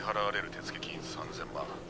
手付金３０００万。